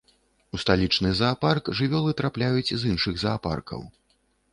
У сталічны заапарк жывёлы трапляюць з іншых заапаркаў.